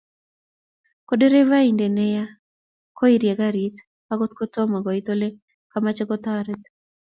Ko derevaindet neya koirie karit akot kotomo koit ole kamache toretet